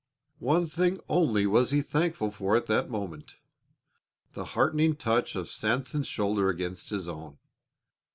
One thing only was he thankful for at that moment the heartening touch of Sanson's shoulder against his own.